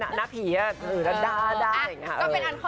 งั้นเป็นอันเข้าใจว่าคือตรงกระดูก